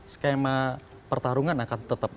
skema pertarungan akan tetap